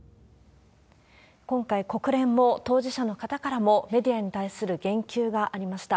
今回、国連も当事者の方からもメディアに対する言及がありました。